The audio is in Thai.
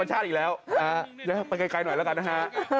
โอ้ยตัวใหญ่ด้วยนะ